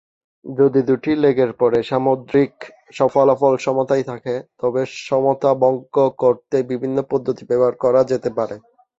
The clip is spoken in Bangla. যদি দুটি লেগের পরে সামগ্রিক ফলাফল সমতায় থাকে, তবে সমতা ভঙ্গ করতে বিভিন্ন পদ্ধতি ব্যবহার করা যেতে পারে।